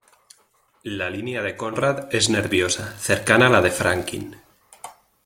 La línea de Conrad es nerviosa, cercana a la de Franquin.